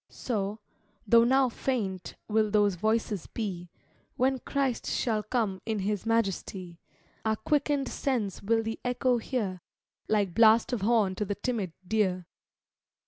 So, though now faint, will those voices be, When Christ shall come in His majesty; Our quicken'd sense will the echo hear, Like blast of horn to the timid deer.